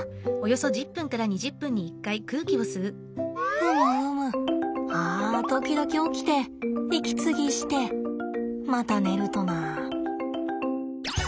ふむふむあ時々起きて息継ぎしてまた寝るとな。